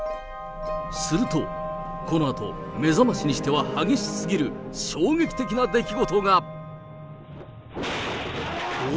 すると、このあと、目覚ましにしては激しすぎる衝撃的な出来事が。